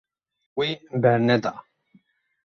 Wî berneda.